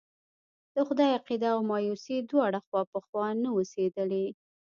د خدای عقيده او مايوسي دواړه خوا په خوا نه اوسېدلی.